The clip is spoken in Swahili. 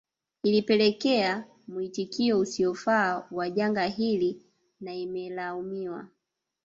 Ilipelekea muitikio usiofaa wa janga hili na imelaumiwa